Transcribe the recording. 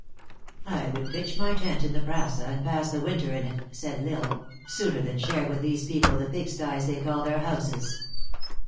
" I would pitch my tent in the praca, and pass the winter in it," said L Isle, " sooner than share with these people the pig sties they call their houses."